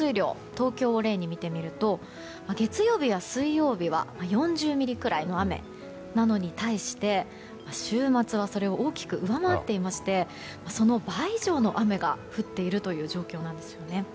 東京を例に見てみると月曜日や水曜日は４０ミリくらいの雨なのに対して週末はそれを大きく上回っていましてその倍以上の雨が降っている状況なんですよね。